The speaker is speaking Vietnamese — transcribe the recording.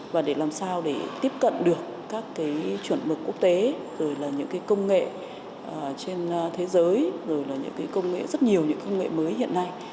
và để làm sao để tiếp cận được các chuẩn mực quốc tế rồi là những công nghệ trên thế giới rồi là rất nhiều công nghệ mới hiện nay